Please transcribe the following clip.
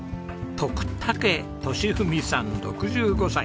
徳武利文さん６５歳。